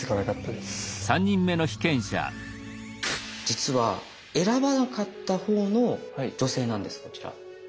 実は選ばなかったほうの女性なんですこちら。